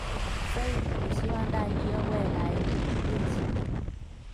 所以也希望帶一二位來列席